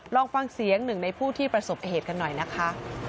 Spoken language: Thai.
ลองฟังเสียงหนึ่งในผู้ที่ประสบเหตุกันหน่อยนะคะ